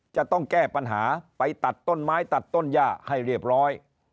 จะต้องแก้ปัญหาไปตัดต้นไม้ตัดต้นย่าให้เรียบร้อย